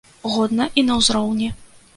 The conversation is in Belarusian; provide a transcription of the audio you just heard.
Годна і на ўзроўні.